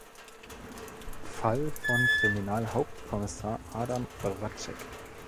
Fall von Kriminalhauptkommissar Adam Raczek.